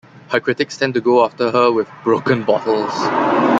Her critics tend to go after her with broken bottles.